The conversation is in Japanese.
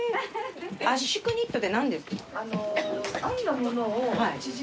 圧縮ニットって何ですか？